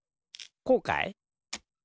こうかい？